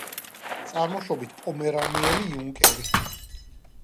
წარმოშობით პომერანიელი იუნკერი.